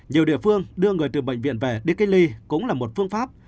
nhiều địa phương đưa người từ bệnh viện về đi cách ly cũng là một phương pháp